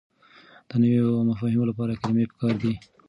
د نويو مفاهيمو لپاره کلمې پکار دي.